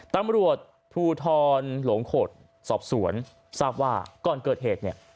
ตำรวจภูทรหลงโขดสอบสวนทราบว่าก่อนเกิดเหตุเนี่ย